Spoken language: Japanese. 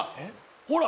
ほら！